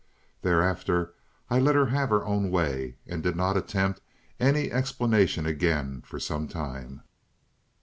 Thereafter I let her have her own way, and did not attempt any explanation again for some time.